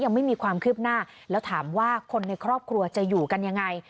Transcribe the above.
ยังไม่มีความคืบหน้าแล้วถามว่าคนในครอบครัวจะอยู่กันยังไง